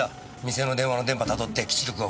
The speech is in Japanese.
店の電話の電波たどって基地局がわかった。